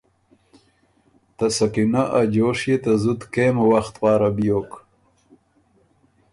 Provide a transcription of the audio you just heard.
ته سکینه ا جوش يې ته زُت کېم وخت پاره بیوک۔